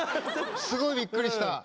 すごいびっくりした。